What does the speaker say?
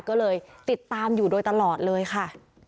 ก็เลยติดตามอยู่โดยตลอดเลยค่ะ